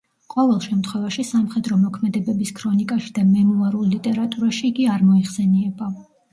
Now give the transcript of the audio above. ყოველ შემთხვევაში სამხედრო მოქმედებების ქრონიკაში და მემუარულ ლიტერატურაში იგი არ მოიხსენიება.